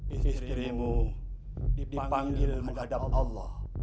isterimu dipanggil menghadap allah